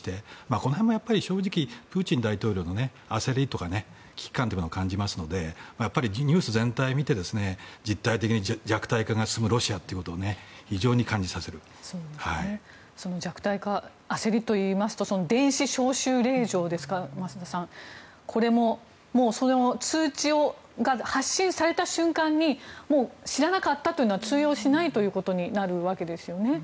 この辺も正直プーチン大統領の焦りとか危機感を感じますのでニュース全体を見て実体的に弱体化が進むロシアということを焦りといいますと電子招集令状ですか、これもその通知が発信された瞬間に知らなかったというのは通用しないということになるわけですよね。